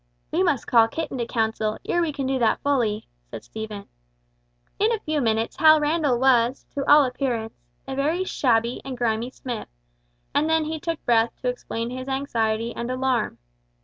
"We must call Kit into counsel, ere we can do that fully," said Stephen. In a few minutes Hal Randall was, to all appearance, a very shabby and grimy smith, and then he took breath to explain his anxiety and alarm.